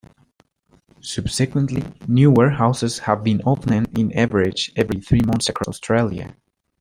Subsequently, new warehouses have been opened, on average, every three months across Australia.